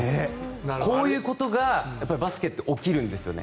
こういうことがバスケって起こるんですよね。